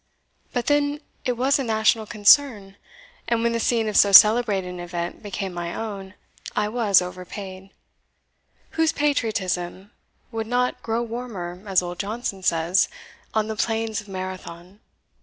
But then it was a national concern; and when the scene of so celebrated an event became my own, I was overpaid. Whose patriotism would not grow warmer, as old Johnson says, on the plains of Marathon?